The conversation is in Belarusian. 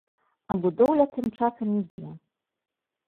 А будоўля тым часам ідзе.